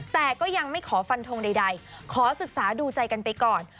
แต่ก็ยังไม่ขอฟันทงใดขอศึกษาดูใจกันไปก่อน